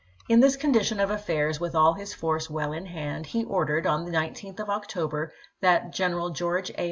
In this condition of affairs, with all his force well in hand, he ordered, on the 19th of October, that General George A.